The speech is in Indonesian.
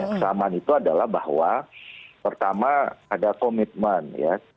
kesamaan itu adalah bahwa pertama ada komitmen ya